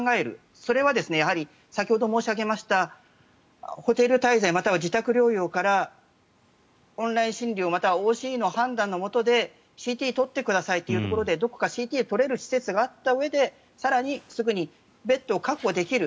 それは先ほど申し上げましたホテル滞在または自宅療養からオンライン診療または往診医の判断のもとでＣＴを撮ってくださいということでＣＴを撮れる施設があったうえで更にベッドを確保できる。